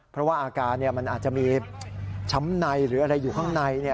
เพราะว่าอาการมันอาจจะมีช้ำในหรืออะไรอยู่ข้างใน